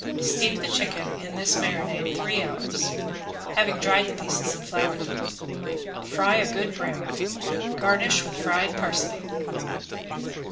Steep the chicken in this marinade three hours, having dried the pieces and floured them. Fry a good brown. Garnish with fried parsley.